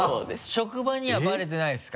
職場にはバレてないですか。